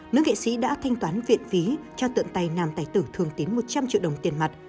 nữ nghệ sĩ đã thanh toán viện phí cho tượng tài nàm tài tử thương tín một trăm linh triệu đồng tiền mặt